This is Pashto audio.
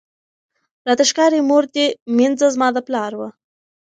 راته ښکاری مور دي مینځه زما د پلار وه